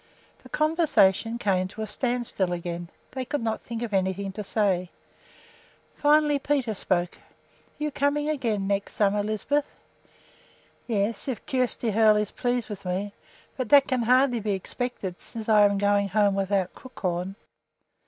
The conversation came to a standstill again; they could not think of anything to say. Finally Peter spoke. "Are you coming again next summer, Lisbeth?" "Yes, if Kjersti Hoel is pleased with me; but that can hardly be expected, since I am going home without Crookhorn."